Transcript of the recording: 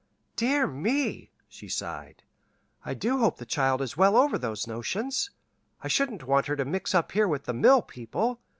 "Dear me!" she sighed. "I do hope the child is well over those notions. I shouldn't want her to mix up here with the mill people.